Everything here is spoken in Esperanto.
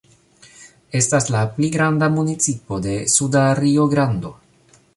Estas la pli granda municipo de Suda Rio-Grando.